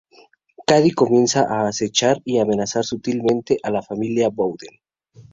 Cady comienza a acechar y amenazar sutilmente a la familia Bowden.